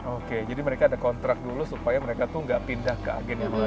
oke jadi mereka ada kontrak dulu supaya mereka tuh nggak pindah ke agen yang lain